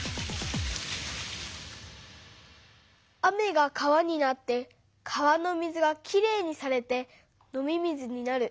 雨が川になって川の水がきれいにされて飲み水になる。